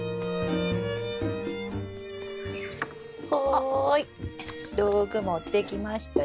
はい道具持ってきましたよ。